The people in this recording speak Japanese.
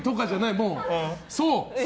もう、そう。